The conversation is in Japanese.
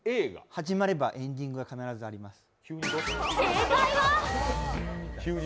始まればエンディングが必ずあります。